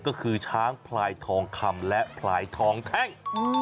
ก็คือช้างพลายทองคำและพลายทองแท่ง